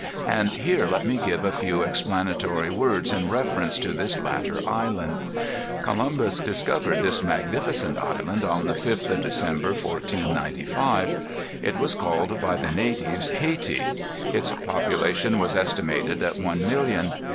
And here let me give a few explanatory words in reference to this latter island. Columbus discovered this magnificent island on the 5th of December, 1495. It was called by the natives Hayti. Its population was estimated at one million.